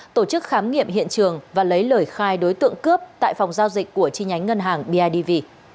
tổ chức khám nghiệm hiện trường và lấy lời khai đối tượng cướp tại phòng giao dịch của chi nhánh ngân hàng bidv